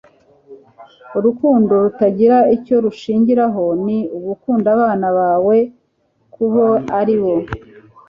urukundo rutagira icyo rushingiraho ni ugukunda abana bawe kubo ari bo